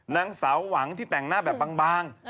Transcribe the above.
นางสาวหวังที่แต่งหน้าแบบบาง